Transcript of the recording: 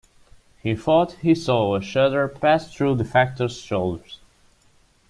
He thought he saw a shudder pass through the Factor's shoulders.